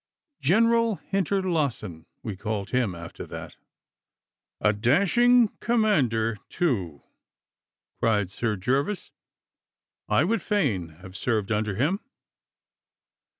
"General Hinterlassen" we called him after that.' 'A dashing commander, too,' cried Sir Gervas. 'I would fain have served under him.